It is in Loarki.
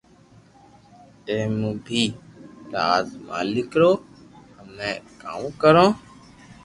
اي مي بي راز مالڪ رو ھمو ڪاو ڪرو